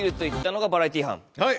はいバラエティー班？